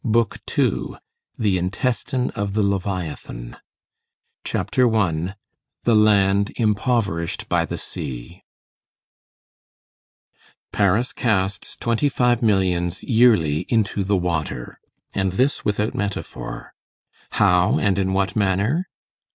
BOOK SECOND—THE INTESTINE OF THE LEVIATHAN CHAPTER I—THE LAND IMPOVERISHED BY THE SEA Paris casts twenty five millions yearly into the water. And this without metaphor. How, and in what manner?